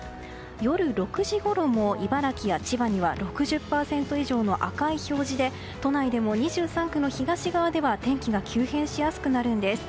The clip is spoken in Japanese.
午後６時以降も茨城や千葉などに紫や赤い表示で都内でも２３区の東側では天気が急変しやすくなるんです。